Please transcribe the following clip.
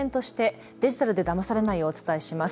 きょうは特別編としてデジタルでだまされないをお伝えします。